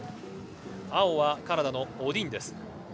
青はカナダのオディンです。